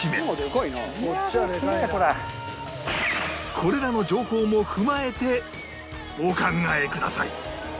これらの情報も踏まえてお考えください